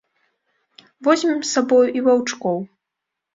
Возьмем з сабою і ваўчкоў.